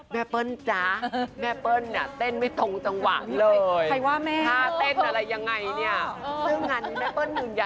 เปิ้ลจ๊ะแม่เปิ้ลเนี่ยเต้นไม่ตรงจังหวะนี้เลย